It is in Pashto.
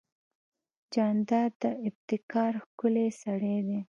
جانداد د ابتکار ښکلی سړی دی.